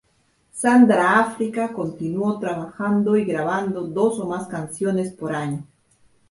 Sandra Afrika continuó trabajando y grabando dos o más canciones por año.